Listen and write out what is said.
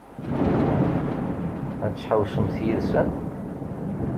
Ad tḥewwsemt yid-sen?